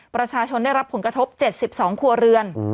ประชาชนได้รับผลกระทบ๗๒ครัวเรือน